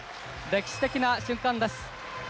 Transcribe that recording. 歴史的な瞬間です。